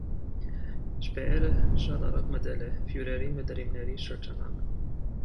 Շպեերը շատ արագ մտել է ֆյուրերի մտերիմների շրջանակ։